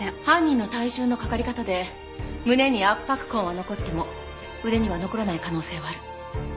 犯人の体重のかかり方で胸に圧迫痕は残っても腕には残らない可能性はある。